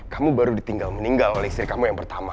kamu baru ditinggal meninggal oleh istri kamu yang pertama